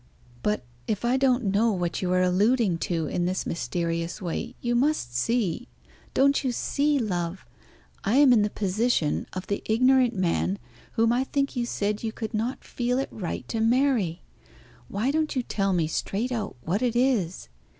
"But if I don't know what you are alluding to in this mysterious way, you must see don't you see, love? I am in the position of the ignorant man whom I think you said you could not feel it right to marry. Why don't you tell me straight out what it is?"